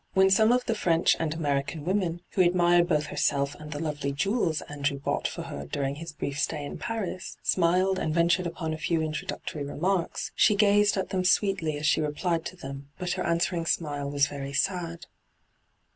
When some of the French and American women, who admired both herself and the lovely jewels Andrew bought for her during his brief stay in Paris, smiled and ventured upon a few introdnotory remarks, she gazed at them sweetly as she replied to them, but her answering smile was very sad.